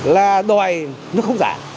là đòi nó không giả